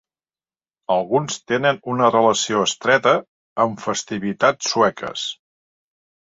Alguns tenen una relació estreta amb festivitats sueques.